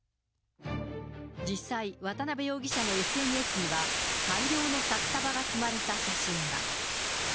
実際、渡辺容疑者のＳＮＳには、大量の札束が積まれた写真が。